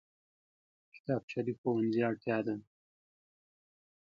کتابچه د ښوونځي اړتیا ده